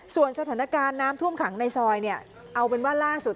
ส่วนสถานการณ์น้ำท่วมขังในซอยเนี่ยเอาเป็นว่าล่าสุด